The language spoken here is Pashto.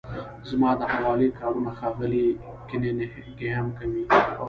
زما د حوالې کارونه ښاغلی کننګهم کوي، هغه پرې بوخت دی.